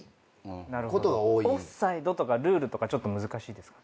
オフサイドとかルールとかちょっと難しいですか？